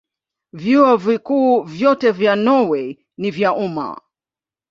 Vyuo Vikuu vyote vya Norwei ni vya umma.